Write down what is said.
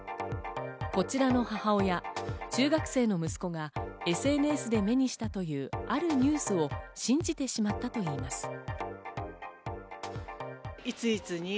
こちらの母親、中学生の息子がＳＮＳで目にしたというあるニュースを信じてしまったといいます。